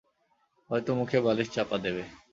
হয়তো মুখে বালিশ চাপা দেবে।